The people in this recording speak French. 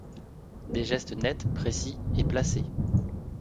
Des gestes nets, précis et placés.